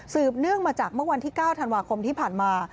เนื่องมาจากเมื่อวันที่๙ธันวาคมที่ผ่านมา